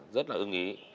rất là ưng ý